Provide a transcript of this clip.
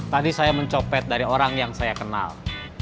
tadi saya mencopet dari orang yang saya kenal